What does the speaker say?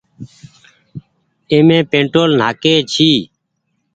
اي مين پيٽول نآ ڪي ڇي۔